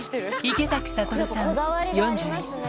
池崎慧さん４１歳。